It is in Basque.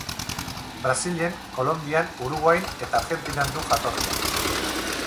Brasilen, Kolonbian, Uruguain eta Argentinan du jatorria.